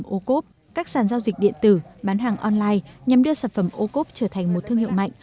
các sản phẩm ô cốp các sản giao dịch điện tử bán hàng online nhằm đưa sản phẩm ô cốp trở thành một thương hiệu mạnh